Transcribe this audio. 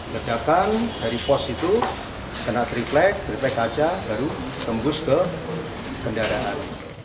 redakan dari pos itu kena driplek driplek kaca baru tembus ke kendaraan